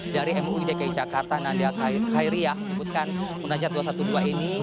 dari muv dki jakarta nanda khairiyah mengikutkan munajat dua ratus dua belas ini